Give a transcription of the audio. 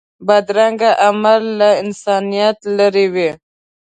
بدرنګه عمل له انسانیت لرې وي